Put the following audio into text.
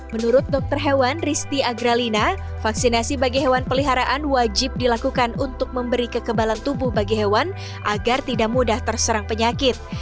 menurut dokter hewan risti agralina vaksinasi bagi hewan peliharaan wajib dilakukan untuk memberi kekebalan tubuh bagi hewan agar tidak mudah terserang penyakit